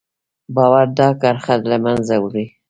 باور دا کرښه له منځه وړي.